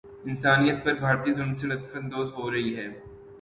انسانیت پر بھارتی ظلم سے لطف اندوز ہورہی ہے